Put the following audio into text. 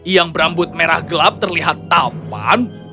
yang berambut merah gelap terlihat tampan